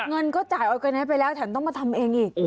เงินก็จ่ายออร์แกนซไปแล้วแถมต้องมาทำเองอีก